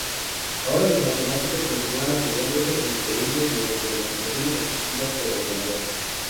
Ahora, los matemáticos continúan apoyándose entre ellos mediante demostraciones asistidas por ordenador.